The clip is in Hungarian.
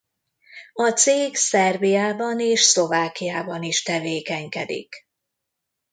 A cég Szerbiában és Szlovákiában is tevékenykedik.